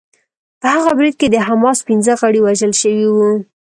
په هغه برید کې د حماس پنځه غړي وژل شوي وو